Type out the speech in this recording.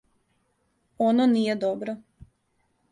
Оно није добро.